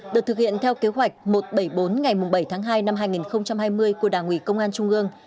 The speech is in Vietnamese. được thực hiện theo kế hoạch một trăm bảy mươi bốn ngày bảy tháng hai năm hai nghìn hai mươi của đảng ủy công an trung ương